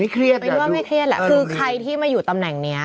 คือใครที่มาอยู่ตำแหน่งนี้